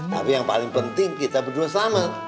tapi yang paling penting kita berdua sama